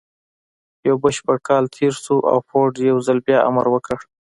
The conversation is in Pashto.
يو بشپړ کال تېر شو او فورډ يو ځل بيا امر وکړ.